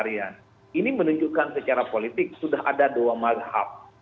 ini menunjukkan secara politik sudah ada dua mazhab